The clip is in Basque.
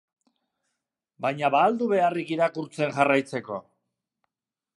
Baina ba al du beharrik irakurtzen jarraitzeko?